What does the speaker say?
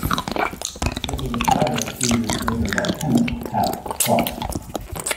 It was acquired two years later by Kenneth "Hap" Klopp.